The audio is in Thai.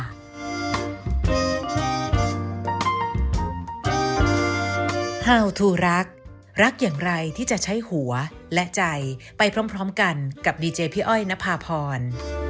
โปรดติดตามตอนต่อไป